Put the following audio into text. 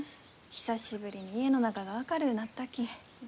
久しぶりに家の中が明るうなったき。